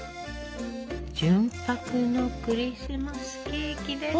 純白のクリスマスケーキです。